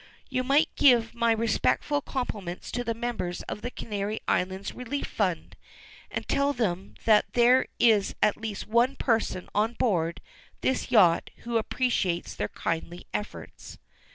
You might give my respectful compliments to the members of the Canary Island Relief Fund, and tell them that there is at least one person on board this yacht who appreciates their kindly efforts."